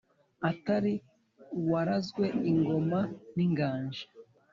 atari uwarazwe ingoma n’inganji.